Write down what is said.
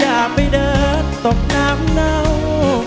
แล้วลืมบ้านเรา